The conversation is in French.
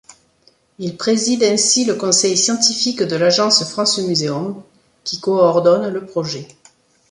Il préside ainsi le conseil scientifique de l'Agence France-Muséums, qui coordonne le projet.